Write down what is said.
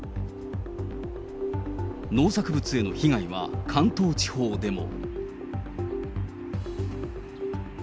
農作物への被害は関東地方でも。